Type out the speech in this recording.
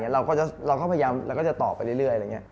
เราก็จะพยายามต่อไปเรื่อย